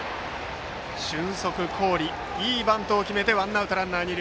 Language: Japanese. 俊足の郡がいいバントを決めてワンアウトランナー、二塁。